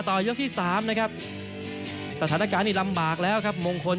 ยกที่สามนะครับสถานการณ์นี้ลำบากแล้วครับมงคล